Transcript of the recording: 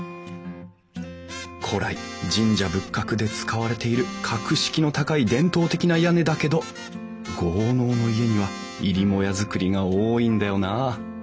古来神社仏閣で使われている格式の高い伝統的な屋根だけど豪農の家には入母屋造りが多いんだよなあ。